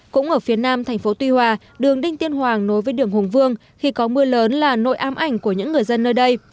cũng ở phía nam thành phố tuy hòa đường đinh tiên hoàng nối với đường hùng vương khi có mưa lớn là nội ám ảnh của những người dân nơi đây